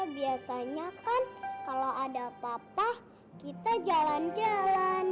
biasanya kan kalo ada papa kita jalan jalan